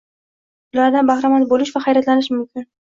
Ulardan bahramand bo‘lish va hayratlanish mumkin.